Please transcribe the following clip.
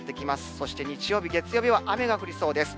そして日曜日、月曜日は雨が降りそうです。